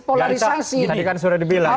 polarisasi tadi kan sudah dibilang